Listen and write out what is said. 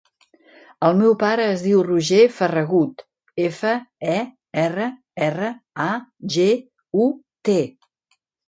El meu pare es diu Roger Ferragut: efa, e, erra, erra, a, ge, u, te.